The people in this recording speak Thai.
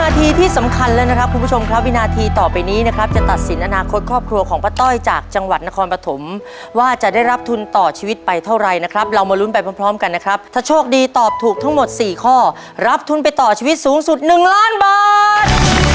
ที่สำคัญแล้วนะครับคุณผู้ชมครับวินาทีต่อไปนี้นะครับจะตัดสินอนาคตครอบครัวของป้าต้อยจากจังหวัดนครปฐมว่าจะได้รับทุนต่อชีวิตไปเท่าไรนะครับเรามาลุ้นไปพร้อมกันนะครับถ้าโชคดีตอบถูกทั้งหมด๔ข้อรับทุนไปต่อชีวิตสูงสุด๑ล้านบาท